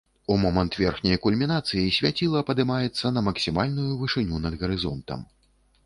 У момант верхняй кульмінацыі свяціла падымаецца на максімальную вышыню над гарызонтам.